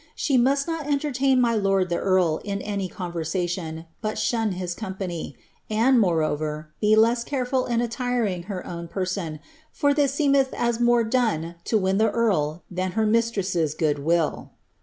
She mnst not enlerlain mv lord ihe nrl in any c but fhun hts company ; and, moreover, be less canful in utirtiic her own person, for ihu seemelti ea more done to win Uie earl thanbtr mistress' good will."